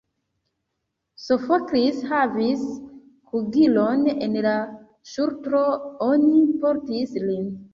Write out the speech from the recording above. Sofoklis havis kuglon en la ŝultro: oni portis lin.